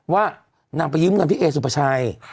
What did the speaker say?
ว่านางไปยิ้มกันพี่เอสุปชัย